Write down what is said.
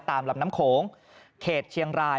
ลำน้ำโขงเขตเชียงราย